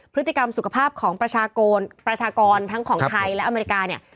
พฤติกรรมสุขภาพของประชากรประชากรทั้งของไทยและอเมริกาเนี่ย